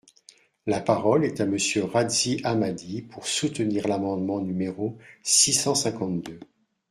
La parole est à Monsieur Razzy Hammadi, pour soutenir l’amendement numéro six cent cinquante-deux.